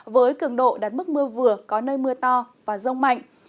với cường độ đạt mức mưa vừa có nơi mưa to và rông mạnh